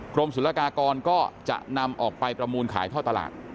กรมศุลกากรก็จะนำออกไปประมูลขายท่อตลาด